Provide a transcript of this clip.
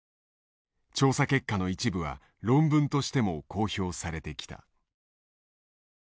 調査結果の一部は論文としても公表されてきた。